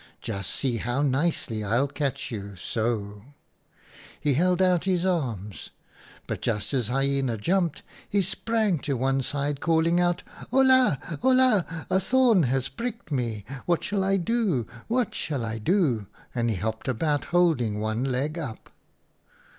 Just see how nicely I'll catch you. So 0 0.' " He held out his arms, but just as Hyena jumped he sprang to one side, calling out, 1 Ola ! Ola ! a thorn has pricked me. What shall I do ? what shall I do ?' and he hopped about holding one leg up.